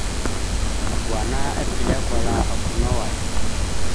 Wa ana epəlé kwala aka no way.